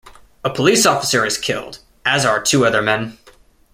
A police officer is killed, as are two other men.